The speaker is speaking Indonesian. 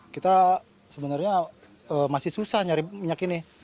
kita sebenarnya masih susah nyari minyak ini